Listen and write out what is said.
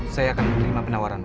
saya akan menerima penawaranmu